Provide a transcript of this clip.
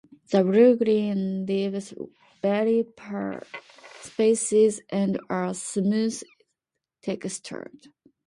The blue-green leaves vary per species and are smooth textured.